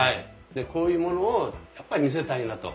こういうものをやっぱり見せたいなと。